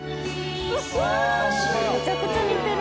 めちゃくちゃ似てる。